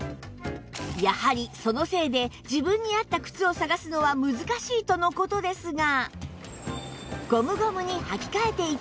やはりそのせいで自分に合った靴を探すのは難しいとの事ですが